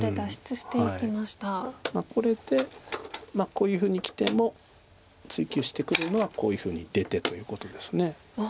これでこういうふうにきても追及してくるのはこういうふうに出てということです。